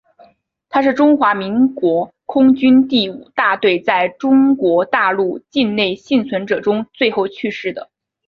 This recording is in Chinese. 他是中华民国空军第五大队在中国大陆境内幸存者中最后去世的。